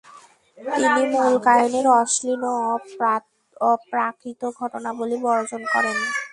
তিনি মূল কাহিনীর অশ্লীল ও অপ্রাকৃত ঘটনাবলী বর্জন করেন।